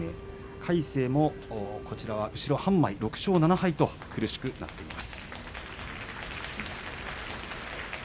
魁聖も後ろ半枚の番付ですが６勝７敗と苦しくなっています。